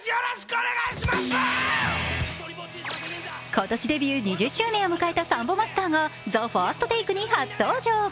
今年デビュー２０周年を迎えたサンボマスターが「ＴＨＥＦＩＲＳＴＴＡＫＥ」に初登場。